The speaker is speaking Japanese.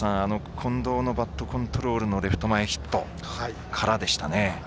近藤のバットコントロールのレフト前ヒットからでしたね。